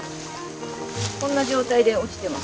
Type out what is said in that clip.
こんな状態で落ちてます。